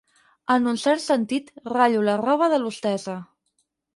En un cert sentit, ratllo la roba de l'hostessa.